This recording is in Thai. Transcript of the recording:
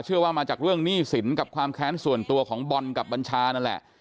ว่ามาจากเรื่องหนี้สินกับความแค้นส่วนตัวของบอลกับบัญชานั่นแหละ